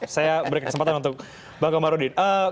saya beri kesempatan untuk bang komarudin